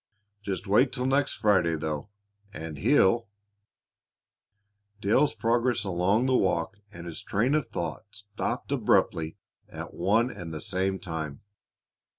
"Just wait till next Friday, though, and he'll " Dale's progress along the walk and his train of thought stopped abruptly at one and the same time.